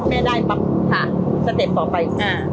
แม่ได้ปั๊บผ่านสเต็ปต่อไป